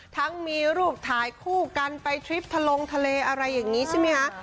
ทั้งมีรูปถ่ายคู่กันไปทริปทะลงทะเลอะไรอย่างนี้ใช่ไหมคะ